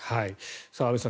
安部さん